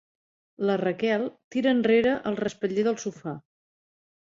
La Raquel tira enrere el respatller del sofà.